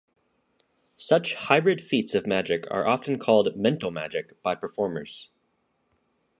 Such hybrid feats of magic are often called "mental magic" by performers.